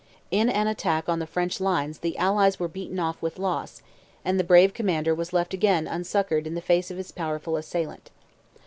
In an attack on the French lines the Allies were beaten off with loss, and the brave commander was left again unsuccoured in the face of his powerful assailant.